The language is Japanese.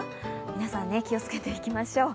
皆さん、気をつけていきましょう。